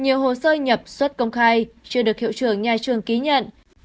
nhiều hồ sơ nhập xuất công khai chưa được hiệu trưởng nhà trường ký nhận